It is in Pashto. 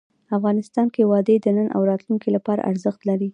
افغانستان کې وادي د نن او راتلونکي لپاره ارزښت لري.